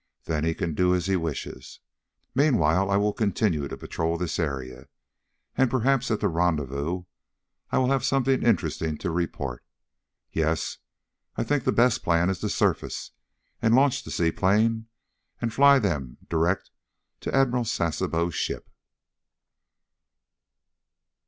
Then he can do as he wishes. Meanwhile I will continue to patrol this area. And perhaps at the rendezvous I will have something interesting to report. Yes, I think the best plan is to surface, and launch the seaplane, and fly them direct to Admiral Sasebo's ship."